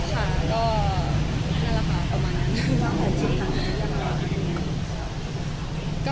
ค่ะก็นั่นแหละค่ะประมาณนั้น